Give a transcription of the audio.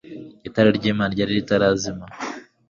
itara ry'imana ryari ritarazima